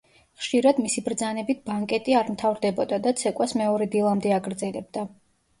ხშირად მისი ბრძანებით ბანკეტი არ მთავრდებოდა და ცეკვას მეორე დილამდე აგრძელებდა.